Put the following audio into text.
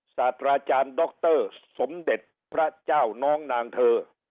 สตราจารย์ด็อกเตอร์สมเด็จพระเจ้าน้องนางเธอ